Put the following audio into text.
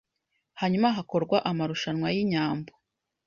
hanyuma hakorwa amarushanwa yinyambo